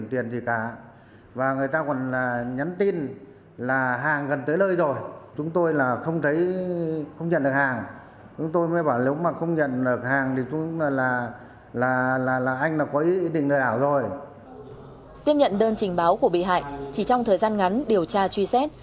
tiếp nhận đơn trình báo của bị hại chỉ trong thời gian ngắn điều tra truy xét